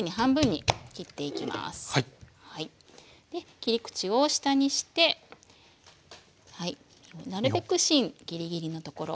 切り口を下にしてなるべく芯ぎりぎりのところ。